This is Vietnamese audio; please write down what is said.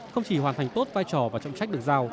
không chỉ hoàn thành tốt vai trò và trọng trách được giao